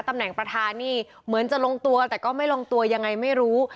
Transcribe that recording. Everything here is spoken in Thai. ตำแหน่งประธานนี่เหมือนจะลงตัวแต่ก็ไม่ลงตัวยังไงไม่รู้